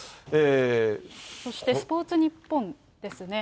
そしてスポーツニッポンですね。